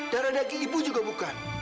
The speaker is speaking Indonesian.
darah daging ibu juga bukan